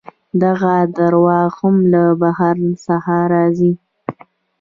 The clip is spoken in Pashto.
دغه درواغ هم له بهر څخه راځي.